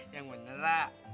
yang bener ra